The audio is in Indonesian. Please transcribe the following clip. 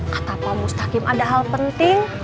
kata pak mustaqim ada hal penting